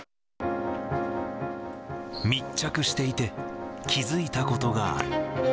密着していて、気付いたことがある。